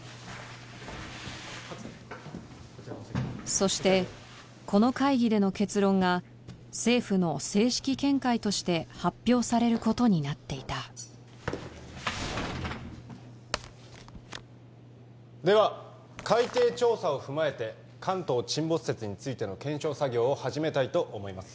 そしてこの会議での結論が政府の正式見解として発表されることになっていたでは海底調査を踏まえて関東沈没説についての検証作業を始めたいと思います